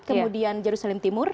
kemudian yerusalem timur